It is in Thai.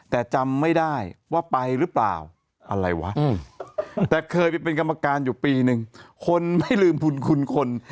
แต่จำไม่ได้ว่าไปหรือเปล่าอะไรวะแต่เคยไปเป็นกรรมการอยู่ปีนึงคนไม่ลืมบุญคุณคน